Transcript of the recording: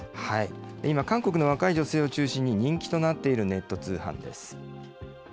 今、韓国の若い女性を中心に人気となっているネット通販です。